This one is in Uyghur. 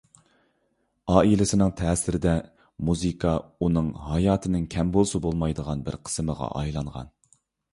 ئائىلىسىنىڭ تەسىرىدە، مۇزىكا ئۇنىڭ ھاياتىنىڭ كەم بولسا بولمايدىغان بىر قىسمىغا ئايلانغان.